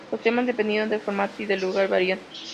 Los temas dependiendo del formato y del lugar varían.